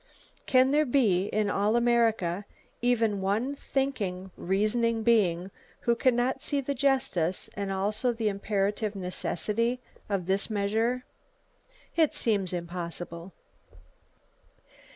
Can there be in all America even one thinking, reasoning being who can not see the justice and also the imperative necessity of this measure? It seems impossible.